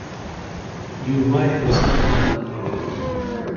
Yuba yeḥbes ddexxan.